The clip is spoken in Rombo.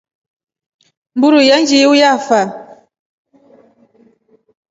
Mburu iya njiiu yafyaa.